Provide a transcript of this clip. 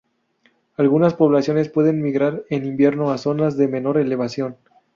Algunas poblaciones pueden migrar en invierno a zonas de menor elevación.